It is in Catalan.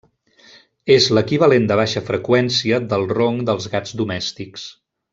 És l'equivalent de baixa freqüència del ronc dels gats domèstics.